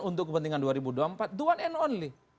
untuk kepentingan dua ribu dua puluh empat the one and only